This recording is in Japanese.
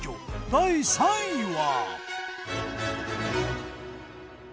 第３位は。